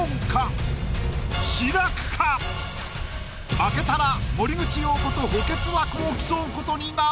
負けたら森口瑤子と補欠枠を競う事になる！